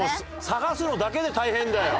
「探すのだけで大変だよ」